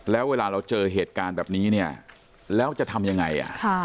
แล้วเวลาเราเจอเหตุการณ์แบบนี้เนี่ยแล้วจะทำยังไง